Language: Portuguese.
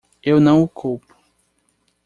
Eu não o culpo.